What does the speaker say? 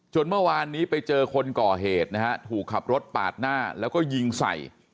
เมื่อวานนี้ไปเจอคนก่อเหตุนะฮะถูกขับรถปาดหน้าแล้วก็ยิงใส่